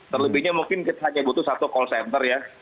terlebihnya mungkin kita hanya butuh satu call center ya